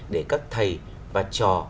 để các thầy và trò